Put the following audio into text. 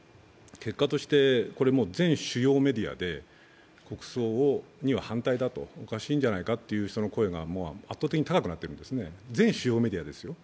結果として全主要メディアで国葬には反対だ、おかしいんじゃないかという人の声が圧倒的に高くなっているんですね、全主要メディアですよ。